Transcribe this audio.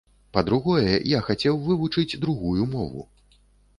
Па-другое, я хацеў вывучыць другую мову.